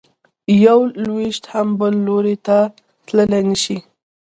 یو لویشت هم بل لوري ته تلی نه شې.